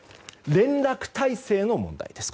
連絡体制の問題です。